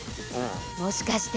もしかして？